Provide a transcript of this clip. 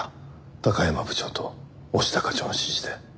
山部長と押田課長の指示で。